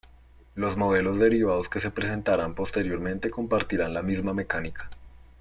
Los modelos derivados que se presentarán posteriormente compartirán la misma mecánica.